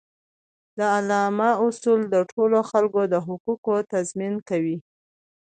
د اعلامیه اصول د ټولو خلکو د حقوقو تضمین کوي.